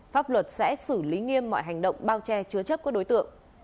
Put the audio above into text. pháp luật sẽ xử lý nghiêm mọi hành động bao che chứa chấp các đối tượng